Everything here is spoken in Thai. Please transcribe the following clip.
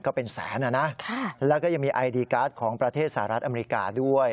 ก็เป็นแสนนะนะแล้วก็ยังมีไอดีการ์ดของประเทศสหรัฐอเมริกาด้วย